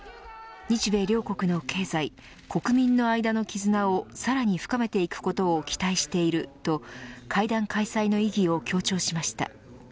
日米両国の経済国民の間のきずなをさらに深めていくことを期待していると会談開催の意義を強調しました。